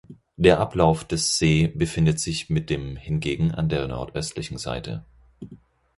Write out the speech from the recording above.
Der Ablauf des See befindet sich mit dem hingegen an der nordöstlichen Seite.